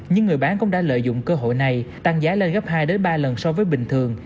nhưng người bán cũng đã lợi dụng cơ hội này tăng giá lên gấp hai ba lần so với bình thường